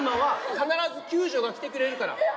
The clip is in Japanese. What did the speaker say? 必ず救助が来てくれるから。